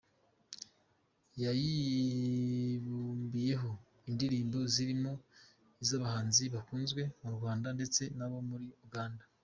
Yayibumbiyeho indirimbo zirimo iz’abahanzi bakunzwe mu Rwanda ndetse n’abo muri Uganda.